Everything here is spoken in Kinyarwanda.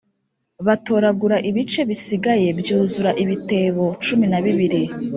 batoragura ibice bisigaye byuzura ibitebo cumi na bibiri